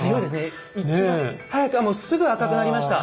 一番早くすぐ赤くなりました。